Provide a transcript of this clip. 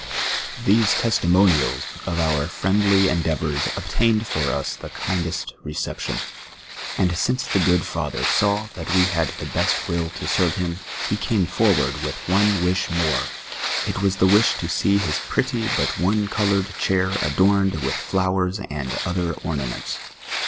These testimonials of om* friendly endeavours obtained for us the kindest recejition ; and since the good father saw that we had the best will to sci'\e him, he came forward with one ^vish more ; it was the wish to see his })retty but one coloured chair adorned with flowers and other ornaments.